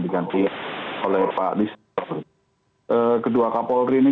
diganti oleh pak lista kedua kapolri ini